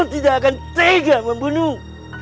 tidak akan tega membunuh